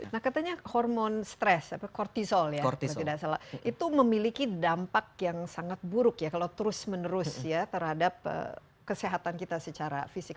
nah katanya hormon stress atau kortisol ya kalau tidak salah itu memiliki dampak yang sangat buruk ya kalau terus menerus ya terhadap kesehatan kita secara fisik